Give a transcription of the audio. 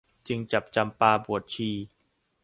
จึงจับจำปาบวชชี